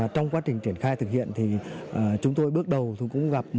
trong quá trình triển khai thực hiện chúng tôi bước đầu cũng gặp